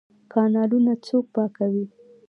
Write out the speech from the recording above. کانالونه څوک پاکوي؟